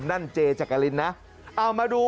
นั่นเจจักรินนะเอามาดู